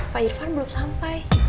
pak irvan belum sampai